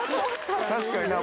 確かにな